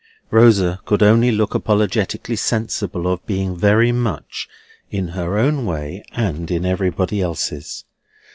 Rosa could only look apologetically sensible of being very much in her own way and in everybody else's.